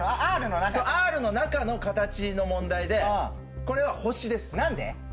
Ｒの中の形の問題でこれは星ですなんで？